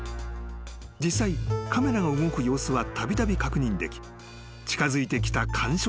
［実際カメラが動く様子はたびたび確認でき近づいてきた感触はあった］